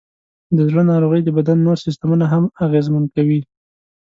د زړه ناروغۍ د بدن نور سیستمونه هم اغېزمن کوي.